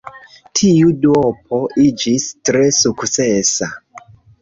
Tiu duopo iĝis tre sukcesa.